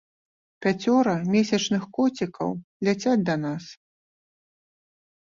Пяцёра месячных коцікаў ляцяць да нас.